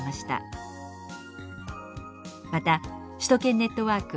また首都圏ネットワーク